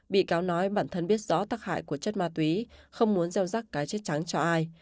bị cáo nói bản thân biết rõ tắc hại của chất ma túy không muốn gieo rắc cá chết trắng cho ai